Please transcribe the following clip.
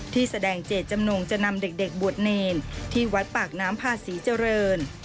ที่แสดงเจตจำนงจะนำเด็กบวชเนรที่วัดปากน้ำพาศรีเจริญ